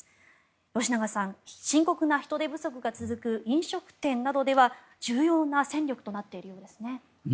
吉永さん、深刻な人手不足が続く飲食店などでは、重要な戦力となっているようですね。